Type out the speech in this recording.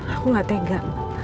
aku gak tega